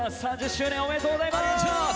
３０周年おめでとうございます。